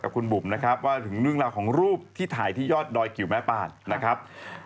คุณบุ๋มนะครับว่าถึงเรื่องราวของรูปที่ถ่ายที่ยอดดอยกิวแม่ปานนะครับ